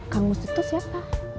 kang mus itu siapa